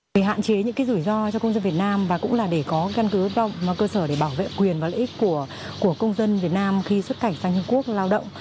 để hạn chế những rủi ro cho công dân việt nam và cũng là để có căn cứ cơ sở để bảo vệ quyền và lợi ích của công dân việt nam khi xuất cảnh sang trung quốc lao động